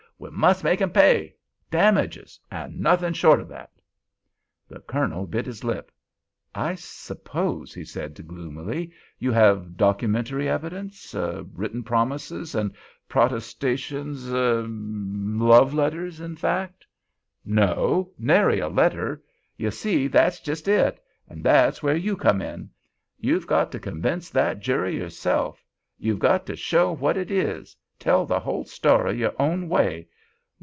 We must make him pay! Damages—and nothin' short o' that." The Colonel bit his lip. "I suppose," he said, gloomily, "you have documentary evidence—written promises and protestations—er—er— love letters, in fact?" "No—nary a letter! Ye see, that's jest it—and that's where you come in. You've got to convince that jury yourself. You've got to show what it is—tell the whole story your own way.